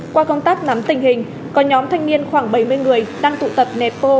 qua công tác nắm tình hình có nhóm thanh niên khoảng bảy mươi người đang tụ tập nệt vô